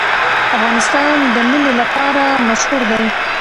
افغانستان د منی لپاره مشهور دی.